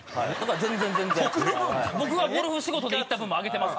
僕がゴルフ仕事で行った分もあげてますから。